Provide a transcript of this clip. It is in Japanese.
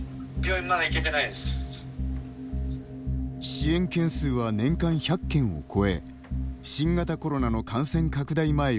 支援件数は年間１００件を超え新型コロナの感染拡大前より倍増。